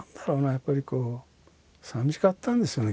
やっぱりこうさみしかったんでしょうね